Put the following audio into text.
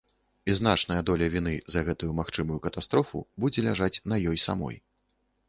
І значная доля віны за гэтую магчымую катастрофу будзе ляжаць на ёй самой.